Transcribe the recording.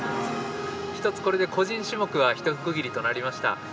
１つ、これで個人種目は一区切りとなりました。